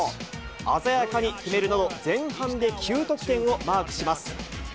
鮮やかに決めるなど、前半で９得点をマークします。